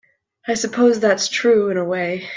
I suppose that's true in a way.